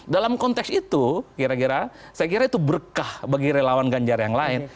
dalam konteks itu kira kira saya kira itu berkah bagi relawan ganjar yang lain